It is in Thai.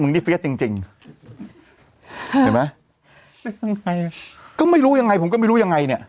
มึงนี่เฟีเอสจริงจริงเห็นไหมก็ไม่รู้ยังไงผมก็ไม่รู้ยังไงเนี้ย